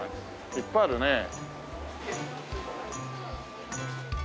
いっぱいあるねえ。